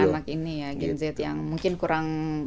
anak ini ya gen z yang mungkin kurang